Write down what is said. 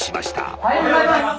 おはようございます。